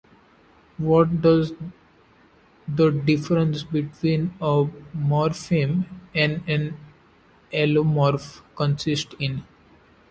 What does the difference between a morpheme and an allomorph consist in?